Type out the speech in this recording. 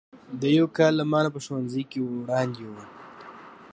دی یو کال له ما نه په ښوونځي کې وړاندې و.